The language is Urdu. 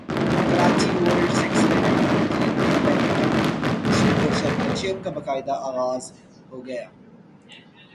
Karachi world six red and team event snooker championship کا باقاعدہ اغاز ہوگیا